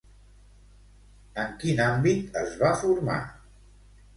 En quin àmbit es va formar?